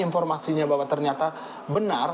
informasinya bahwa ternyata benar